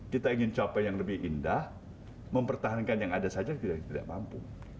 kita ingin capai yang lebih indah mempertahankan yang ada saja tidak mampu